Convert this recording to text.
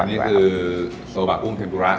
นี่คือโซบะกุ้งเทมปุระ